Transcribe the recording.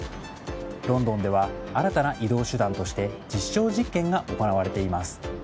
ロンドンでは新たな移動手段として実証実験が行われています。